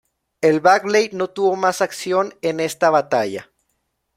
El "Bagley" no tuvo más acción en esta batalla.